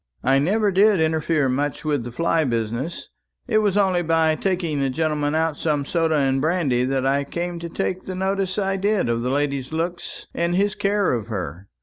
I never did interfere much with the fly business; it was only by taking the gentleman out some soda and brandy that I came to take the notice I did of the lady's looks and his care of her.